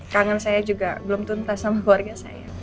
kangen saya juga belum tuntas sama keluarga saya